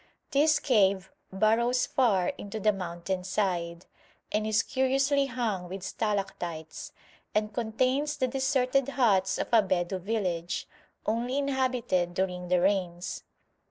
This cave burrows far into the mountain side, and is curiously hung with stalactites, and contains the deserted huts of a Bedou village, only inhabited during the rains.